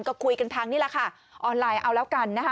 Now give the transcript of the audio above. ก็คุยกันทางนี้แหละค่ะออนไลน์เอาแล้วกันนะคะ